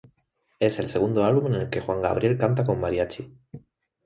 Es el segundo álbum en el que Juan Gabriel canta con Mariachi.